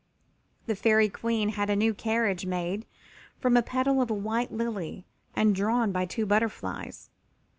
The Fairy Queen had a new carriage made from a petal of a white lily and drawn by two butterflies.